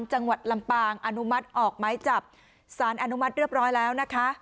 จังหวัดลำปางอนุมัติออกไม้จับสารอนุมัติเรียบร้อยแล้วนะคะ